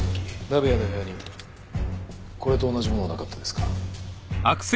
鍋谷の部屋にこれと同じものはなかったですか？